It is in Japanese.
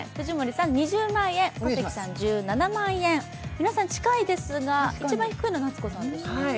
皆さん近いですが、一番低いのは夏子さんですね。